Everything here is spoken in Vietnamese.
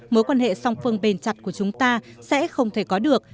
mối quan hệ song phương bền chặt của chúng ta sẽ không thể có được